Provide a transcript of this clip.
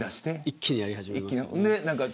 一気にやり始めますよ。